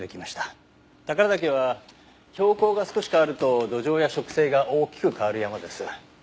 宝良岳は標高が少し変わると土壌や植生が大きく変わる山です。